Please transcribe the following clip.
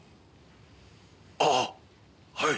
ああはい。